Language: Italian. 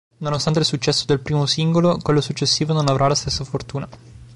Nonostante il successo del primo singolo, quello successivo non avrà la stessa fortuna.